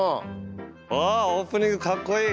あオープニングかっこいい。